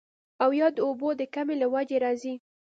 او يا د اوبو د کمۍ له وجې راځي